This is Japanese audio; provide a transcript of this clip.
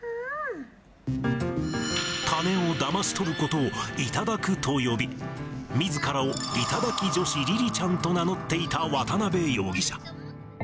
金をだまし取ることを頂くと呼び、みずからを頂き女子りりちゃんと名乗っていた渡辺容疑者。